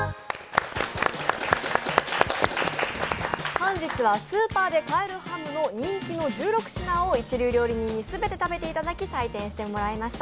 本日はスーパーで買えるハム人気の１６品を一流料理人に全て食べていただき、採点してもらいました。